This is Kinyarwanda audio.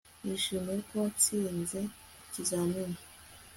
Nishimiye ko watsinze ikizamini